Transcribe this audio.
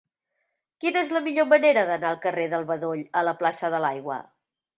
Quina és la millor manera d'anar del carrer del Bedoll a la plaça de l'Aigua?